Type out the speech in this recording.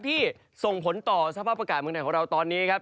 ที่ส่งผลต่อสภาพอากาศเมืองไหนของเราตอนนี้ครับ